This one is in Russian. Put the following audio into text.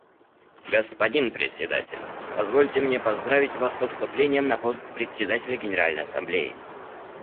Господин Председатель, позвольте мне поздравить Вас со вступлением на пост Председателя Генеральной Ассамблеи.